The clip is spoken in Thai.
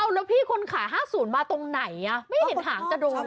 แล้วพี่คนขาย๕๐มาตรงไหนไม่เห็นหางจะโดน